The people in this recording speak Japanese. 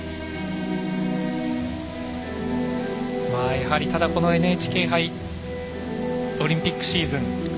やはり、このＮＨＫ杯オリンピックシーズン